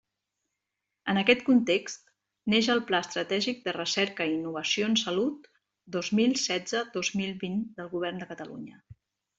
En aquest context, neix el Pla estratègic de recerca i innovació en salut dos mil setze dos mil vint del Govern de Catalunya.